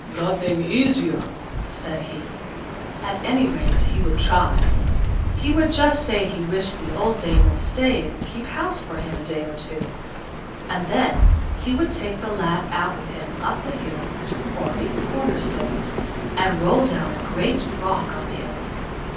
"Nothing easier," said he; at any rate he would try. He would just say he wished the old dame would stay and keep house for him a day or two, and then he would take the lad out with him up the hill to quarry corner stones, and roll down a great rock on him.